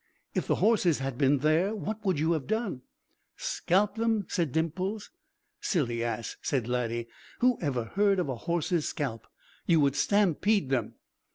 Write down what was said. "If the horses had been there, what would you have done?" "Scalped them!" said Dimples. "Silly ass!" said Laddie. "Who ever heard of a horse's scalp? You would stampede them."